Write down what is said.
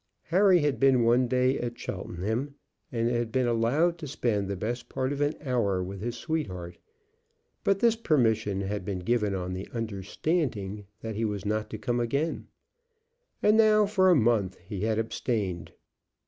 Harry had been one day at Cheltenham, and had been allowed to spend the best part of an hour with his sweetheart; but this permission had been given on the understanding that he was not to come again, and now for a month he had abstained.